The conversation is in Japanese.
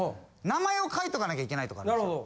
名前を書いとかなきゃいけないとかあるんですよ。